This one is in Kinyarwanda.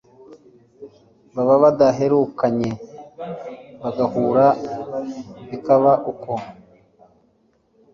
baba badaherukanye bagahura bikaba uko,